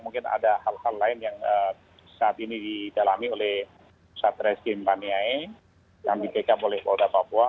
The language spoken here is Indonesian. mungkin ada hal hal lain yang saat ini didalami oleh satres gimpaniai yang dipeka oleh boda papua